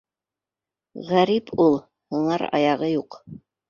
Ғәрип ул — һыңар аяғы юҡ.